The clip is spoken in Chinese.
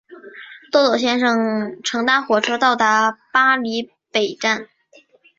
豆豆先生搭乘火车到达巴黎北站。